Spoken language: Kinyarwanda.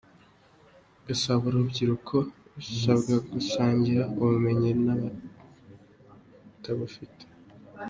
Gasabo Urubyiruko rurasabwa gusangira ubumenyi n’abatabufite